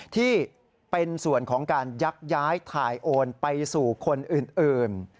ที่เป็นส่วนของการยักย้ายถ่ายโอนไปสู่คนอื่น